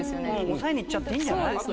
おさえにいっちゃっていいんじゃない？